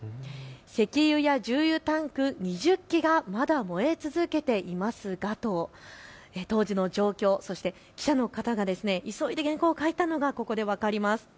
石油や重油タンク２０基がまだ燃え続けていますがと、当時の状況、そして記者の方が急いで原稿を書いたのがここで分かります。